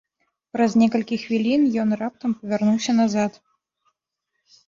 Праз некалькі хвілін ён раптам павярнуўся назад.